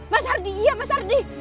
mas ardi iya mas ardi